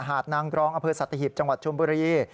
หาดนางกรองอสัตวิทธิ์จังหวัดชมบุรี